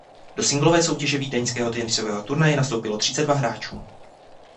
Do singlové soutěže vídeňského tenisového turnaje nastoupilo třicet dva hráčů.